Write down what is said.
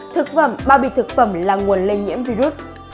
thực phẩm bao bì thực phẩm là nguồn lây nhiễm virus